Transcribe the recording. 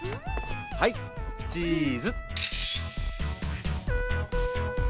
はいチーズ。